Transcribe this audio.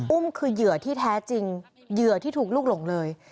อุ้มคือเหยื่อที่แท้จริงเหยื่อที่ถูกลูกหลงเลย